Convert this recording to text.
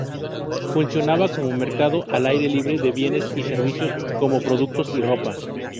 Funcionaba como mercado al aire libre de bienes y servicios como productos y ropa.